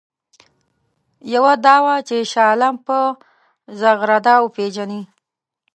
یوه دا وه چې شاه عالم په زغرده وپېژني.